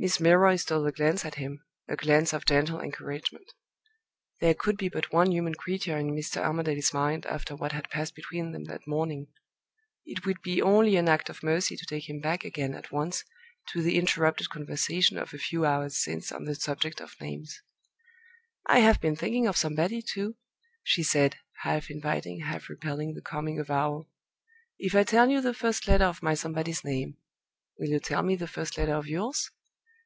Miss Milroy stole a glance at him a glance of gentle encouragement. There could be but one human creature in Mr. Armadale's mind after what had passed between them that morning! It would be only an act of mercy to take him back again at once to the interrupted conversation of a few hours since on the subject of names. "I have been thinking of somebody, too," she said, half inviting, half repelling the coming avowal. "If I tell you the first letter of my Somebody's name, will you tell me the first letter of yours?"